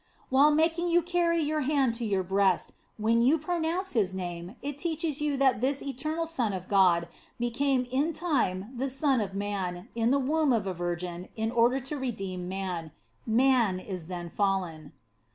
While making you carry * Ephes. iii. 15. In the Nineteenth Century. 79 your hand to your breast, when you pro nounce His name, it teaches you that this Eternal Son of God became in time the Son of man, in the womb of a Virgin, in order to redeem man. Man is then fallen.